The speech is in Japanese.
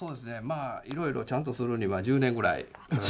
いろいろするには１０年ぐらい。